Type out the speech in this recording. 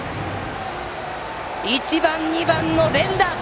１番、２番の連打！